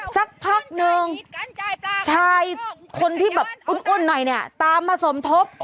สักพักนึงชายคนที่แบบอุ้นหน่อยเนี่ยตามมาสมทบ